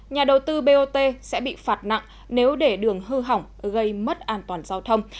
nhà đầu tư bot sẽ bị phạt nặng nếu để đường hư hỏng gây mất an toàn giao thông